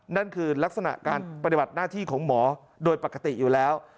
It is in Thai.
นั่นคือลักษณะการปฏิบัติหน้าที่ของหมอโดยปกติอยู่แล้ว